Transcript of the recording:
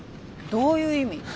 どういう意味？